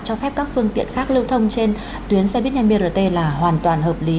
cho phép các phương tiện khác lưu thông trên tuyến xe buýt nhanh brt là hoàn toàn hợp lý